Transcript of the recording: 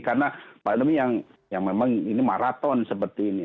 karena pandemi yang yang memang ini maraton seperti ini